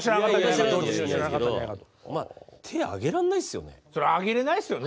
まあ手挙げらんないっすよね。